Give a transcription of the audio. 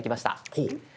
ほう！